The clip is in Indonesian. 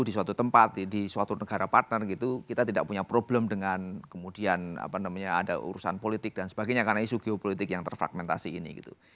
di suatu tempat di suatu negara partner gitu kita tidak punya problem dengan kemudian ada urusan politik dan sebagainya karena isu geopolitik yang terfragmentasi ini gitu